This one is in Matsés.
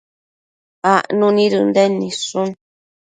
acnu nid Ënden nidshun